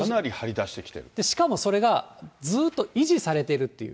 しかもそれが、ずっと維持されているっていう。